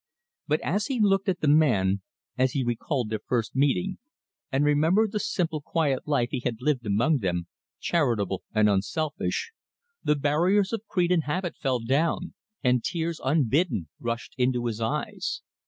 But as he looked at the man, as he recalled their first meeting, and remembered the simple, quiet life he had lived among them charitable, and unselfish the barriers of creed and habit fell down, and tears unbidden rushed into his eyes.